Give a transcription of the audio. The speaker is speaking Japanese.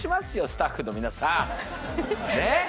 スタッフの皆さん！ね？